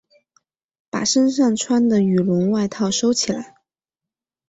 把身上穿的羽绒外套收起来